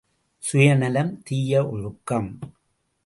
சுயநலம் தீய ஒழுக்கம்!